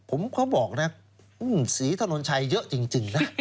ผมเขาบอกนะศรีถนนชัยเยอะจริงนะ